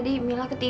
depan gue mah